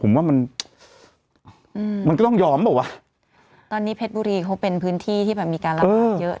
ผมว่ามันอืมมันมันก็ต้องยอมเปล่าวะตอนนี้เพชรบุรีเขาเป็นพื้นที่ที่แบบมีการระบาดเยอะ